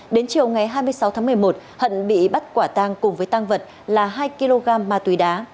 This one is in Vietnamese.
đến chiều ngày hai mươi sáu tháng một mươi một hận bị bắt quả tang cùng với tang vật là hai kg ma túy đá